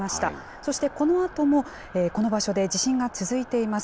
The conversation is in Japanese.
そしてこのあともこの場所で地震が続いています。